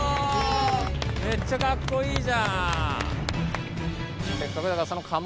めっちゃかっこいいじゃん！